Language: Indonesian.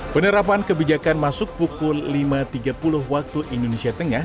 penerapan kebijakan masuk pukul lima tiga puluh waktu indonesia tengah